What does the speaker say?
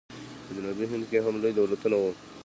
په جنوبي هند کې هم لوی دولتونه وو.